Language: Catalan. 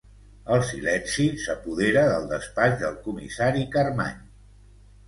El silenci s'apodera del despatx del comissari Carmany.